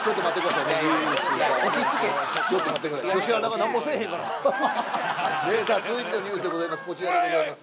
さあ続いてのニュースでございます。